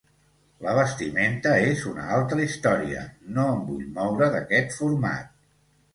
La vestimenta és una altra història, no em vull moure d’aquest format.